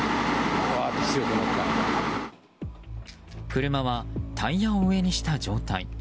車はタイヤを上にした状態。